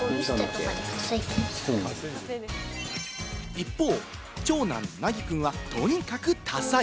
一方、長男・なぎ君はとにかく多才。